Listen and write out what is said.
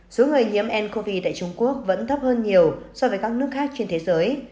số người nhiễm ncov tại trung quốc vẫn thấp hơn nhiều so với các nước khác trên thế giới